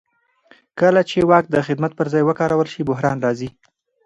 کله چې واک د خدمت پر ځای وکارول شي بحران راځي